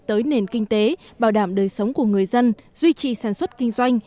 tới nền kinh tế bảo đảm đời sống của người dân duy trì sản xuất kinh doanh